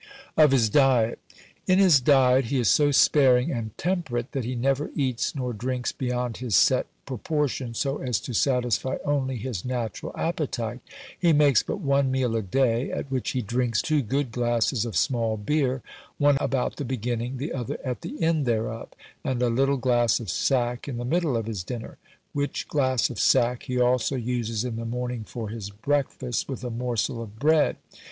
"Of his Diet. "In his diet he is so sparing and temperate, that he never eats nor drinks beyond his set proportion, so as to satisfy only his natural appetite; he makes but one meal a day, at which he drinks two good glasses of small beer, one about the beginning, the other at the end thereof, and a little glass of sack in the middle of his dinner; which glass of sack he also uses in the morning for his breakfast, with a morsel of bread.